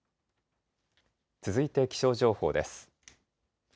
続いて気象情報です。